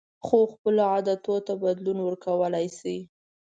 خو خپلو عادتونو ته بدلون ورکولی شئ.